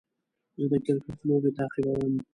زه د کرکټ لوبې تعقیبوم.